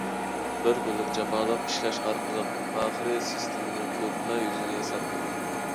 بىر كۈنلۈك جاپالىق ئىشلەش ئارقىلىق ئاخىرى سىستېمىنىڭ كۆرۈنمە يۈزىنى ياساپ بولدۇم.